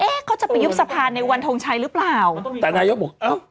เอ๊ะเขาจะไปยรภารในวันทงไชหรือเปล่าแต่นายกบอกเอา